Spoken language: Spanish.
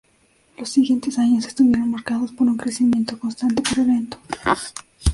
Los siguientes años estuvieron marcados por un crecimiento constante pero lento.